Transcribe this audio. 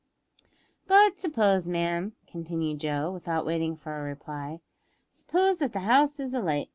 "But suppose, ma'am," continued Joe, without waiting for a reply; "suppose that the house is alight.